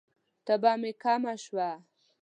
تبه می کمه شوه؟